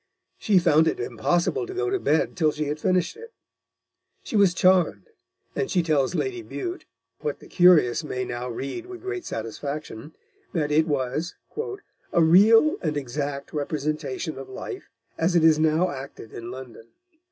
She found it impossible to go to bed till she had finished it. She was charmed, and she tells Lady Bute, what the curious may now read with great satisfaction, that it was "a real and exact representation of life, as it is now acted in London."